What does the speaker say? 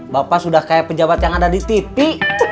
bapak sudah kayak pejabat yang ada di siti